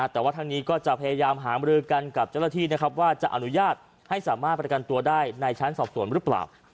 แต่ว่าทางนี้ก็จะพยายามหามรือกันกับเจ้าหน้าที่นะครับว่าจะอนุญาตให้สามารถประกันตัวได้ในชั้นสอบส่วนหรือเปล่า